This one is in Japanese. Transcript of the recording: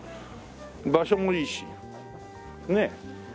場所もいいしねえ。